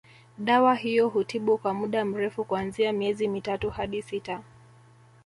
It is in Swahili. Dawa hiyo hutibu kwa muda mrefu kuanzia miezi mitatu hadi sita